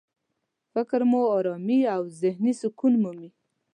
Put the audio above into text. فکر مو ارامي او ذهني سکون مومي.